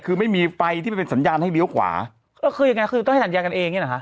คือไม่มีไฟที่มันเป็นสัญญาณให้เลี้ยวขวาแล้วคือยังไงคือต้องให้สัญญาณกันเองเนี้ยน่ะค่ะ